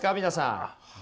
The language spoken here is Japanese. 皆さん。